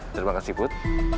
terima kasih bud